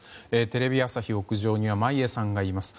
テレビ朝日屋上には眞家さんがいます。